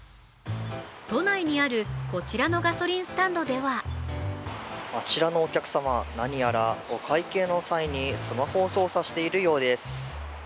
都内にあるこちらのガソリンスタンドではあちらのお客様、何やらお会計の際にスマホを操作しているようです。